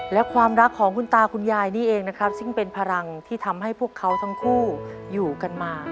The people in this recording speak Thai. และความรักของคุณตาคุณยายนี่เองนะครับซึ่งเป็นพลังที่ทำให้พวกเขาทั้งคู่อยู่กันมา